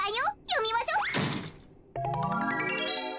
よみましょ。